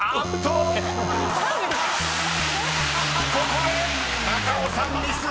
［ここで中尾さんミス！